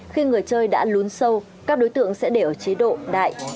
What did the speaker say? khi người chơi đã lún sâu các đối tượng sẽ để ở chế độ đại